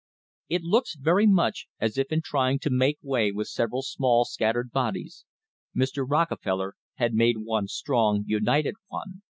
It looks very much as if in trying to make way with several small scattered bodies Mr. Rockefeller had made one strong, united one.